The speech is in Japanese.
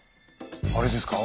あれですか？